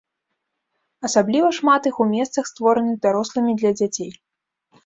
Асабліва шмат іх у месцах, створаных дарослымі для дзяцей.